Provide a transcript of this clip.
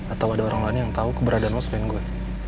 atau ada orang lain yang tau keberadaan lo selain gue